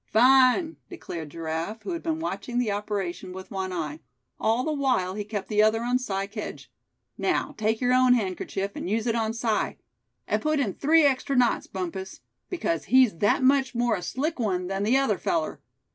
"Fine!" declared Giraffe, who had been watching the operation with one eye, all the while he kept the other on Si Kedge; "now take your own handkerchief, and use it on Si. And put in three extra knots, Bumpus, because he's that much more a slick one than the other feller.